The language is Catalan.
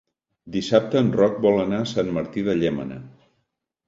Dissabte en Roc vol anar a Sant Martí de Llémena.